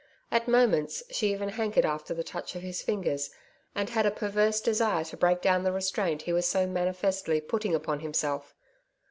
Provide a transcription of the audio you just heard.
At moments, she even hankered after the touch of his fingers, and had a perverse desire to break down the restraint he was so manifestly putting upon himself.